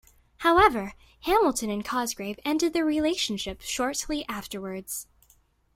However, Hamilton and Cosgrave ended their relationship shortly afterwards.